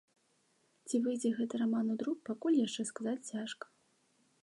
Ці выйдзе гэты раман у друк, пакуль яшчэ сказаць цяжка.